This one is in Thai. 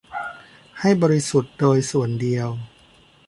ให้บริสุทธิ์โดยส่วนเดียว